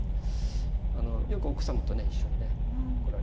よく奥さんと一緒にね来られて。